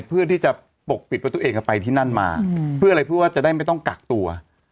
เพื่อที่จะปกปิดว่าตัวเองไปที่นั่นมาเพื่ออะไรเพื่อว่าจะได้ไม่ต้องกักตัว